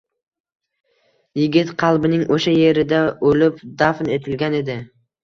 yigit qalbining oʼsha yerida oʼlib, dafn etilgan edi.